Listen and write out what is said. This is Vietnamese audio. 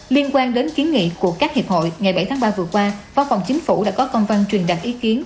liên quan đến kiến nghị của các hiệp hội ngày bảy tháng ba vừa qua văn phòng chính phủ đã có công văn truyền đạt ý kiến